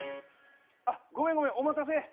あっ、ごめんごめん、お待たせ。